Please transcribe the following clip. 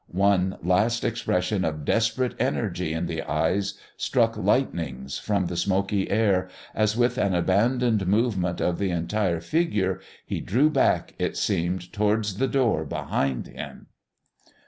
One last expression of desperate energy in the eyes struck lightnings from the smoky air, as with an abandoned movement of the entire figure, he drew back, it seemed, towards the door behind him.